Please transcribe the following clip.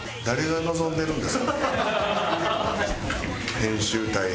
誰が望んでるんですか？